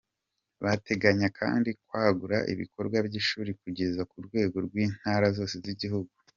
Bateganya kandi kwagura ibikorwa by’ishuri kugeza ku rwego rw’intara zose z’igihugu.